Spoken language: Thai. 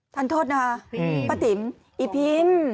ท่านโทษนะคะป้าติ๋มอีพิม